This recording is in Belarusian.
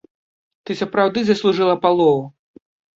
Ты сапраўды заслужыла палову.